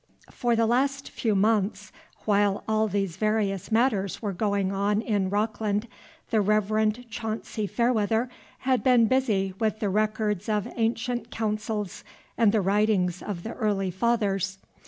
For the last few months, while all these various matters were going on in Rockland, the Reverend Chauncy Fairweather had been busy with the records of ancient councils and the writings of the early fathers.